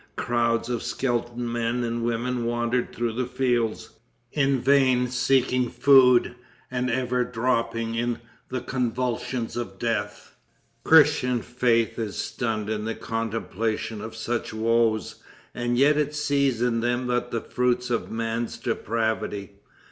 Crowds of skeleton men and women wandered through the fields, in vain seeking food, and ever dropping in the convulsions of death. Christian faith is stunned in the contemplation of such woes, and yet it sees in them but the fruits of man's depravity.